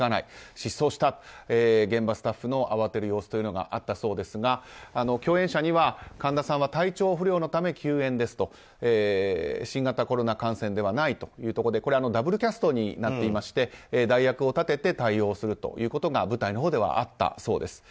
失踪したと、現場スタッフの慌てる様子というのがあったそうですが共演者には神田さんは体調不良のため休演ですと新型コロナ感染ではないというところでダブルキャストになっていまして代役を立てて対応するということが舞台のほうではあったそうです。